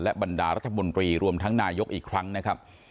บรรดารัฐมนตรีรวมทั้งนายกอีกครั้งนะครับ